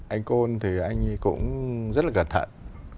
anh cuôn thì anh cũng rất là cẩn thận